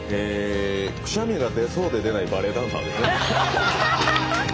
くしゃみが出そうで出ないバレエダンサー。